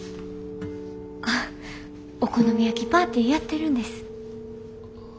あお好み焼きパーティーやってるんです。